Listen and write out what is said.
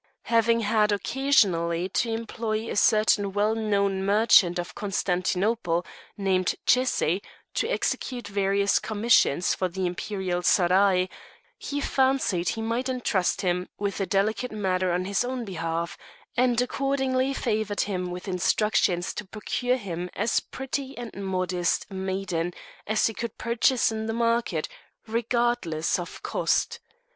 Having had occasionally to employ a certain well known merchant of Constantinople, named Cesi, to execute various commissions for the imperial seraglio, he fancied he might entrust him with a delicate matter on his own behalf, and accordingly favoured him with instructions to procure him as pretty and modest a maiden as he could purchase in the market, regardless of cost.